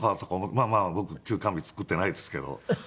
まあまあ僕休肝日作っていないですけど。